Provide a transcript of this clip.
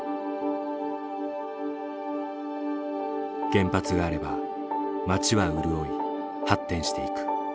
原発があれば町は潤い発展していく。